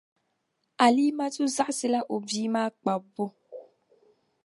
Alimatu zaɣisila o bia maa kpabibu.